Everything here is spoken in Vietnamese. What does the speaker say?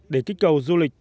để kích cầu du lịch